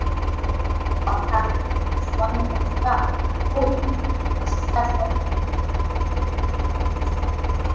Wakazi wa visiwani Zanzibar na manguli wa siasa wanaunda vyama viwili vikuu vya siasa